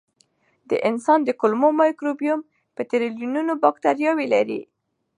د انسان د کولمو مایکروبیوم په ټریلیونونو بکتریاوې لري.